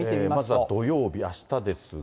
まずは土曜日、あしたですが。